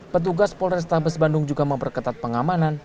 petugas polres tabes bandung juga memperketat pengamanan